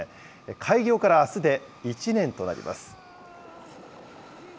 開業からあすで１年となります。